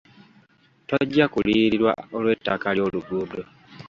Tojja kuliyirirwa olw'ettaka ly'oluguudo.